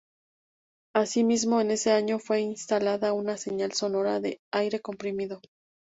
Asimismo en ese año fue instalada una señal sonora de aire comprimido.